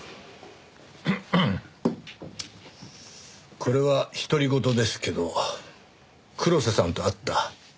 これは独り言ですけど黒瀬さんと会った。